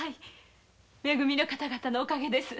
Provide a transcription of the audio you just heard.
め組の方々のお陰です。